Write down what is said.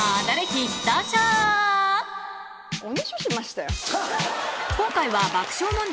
おねしょしましたよ。